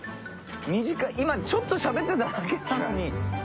短い今ちょっとしゃべってただけなのに。